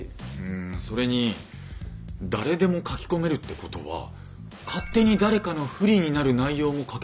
んそれに誰でも書き込めるってことは勝手に誰かの不利になる内容も書けるわけですよね？